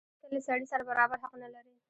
ته له سړي سره برابر حق نه لرې.